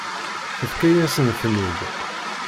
Tefka-yasen-ten-id.